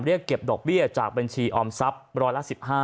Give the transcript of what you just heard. เก็บดอกเบี้ยจากบัญชีออมทรัพย์ร้อยละ๑๕